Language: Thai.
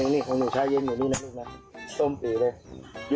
นี่ของหนูช้าเย็นอยู่นี่นิดนึงนะต้มปีเลย